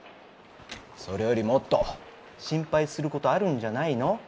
それよりもっと心配することあるんじゃないの？